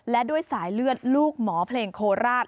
และด้วยสายเลือดลูกหมอเพลงโคราช